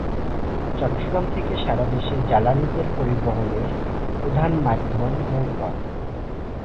চট্টগ্রাম থেকে সারাদেশে জ্বালানি তেল পরিবহনের প্রধান মাধ্যম নৌপথ।